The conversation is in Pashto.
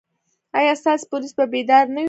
ایا ستاسو پولیس به بیدار نه وي؟